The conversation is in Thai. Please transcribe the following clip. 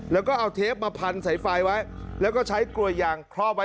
แล้วก็เอาเทปมาพันสายไฟไว้แล้วก็ใช้กลวยยางครอบไว้